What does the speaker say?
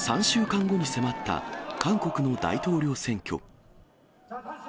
３週間後に迫った韓国の大統領選挙。